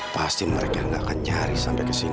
pasti mereka nggak akan nyari sampai ke sini